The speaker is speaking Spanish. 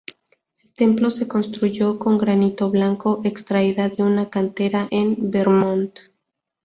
El templo se construyó con granito blanco extraída de una cantera en Vermont.